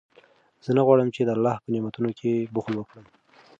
زه نه غواړم چې د الله په نعمتونو کې بخل وکړم.